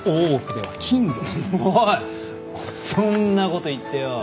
あそんなこと言ってよ